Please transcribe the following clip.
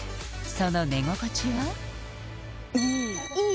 その寝心地はいい？